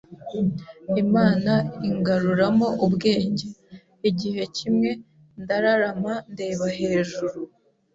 Imana ingaruramo ubwenge, igihe kimwe ndararama ndeba hejuru